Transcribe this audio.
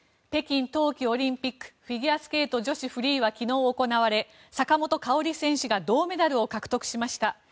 北京冬季オリンピックフィギュアスケート女子フリーが昨日行われ、坂本花織選手が銅メダルを獲得しました。